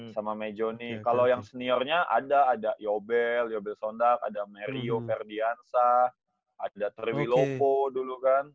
sama meijoni kalau yang seniornya ada ada yobel yobel sondag ada merio ferdiansa ada triwilopo dulu kan